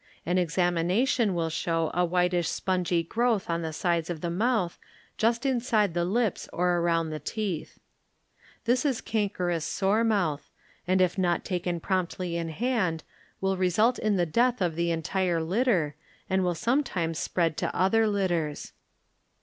An examination will show a whitish spongy growth on the sidi the mouth just inside the lips the teeth. This is cankerous sore mcurn, and if not taken promptly in hand will result in the death of the entire litter, and will sometimes spread to other litters.